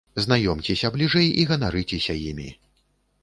Знаёмцеся бліжэй і ганарыцеся імі!